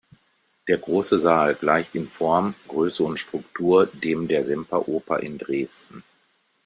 Der "Große Saal" gleicht in Form, Größe und Struktur dem der Semperoper in Dresden.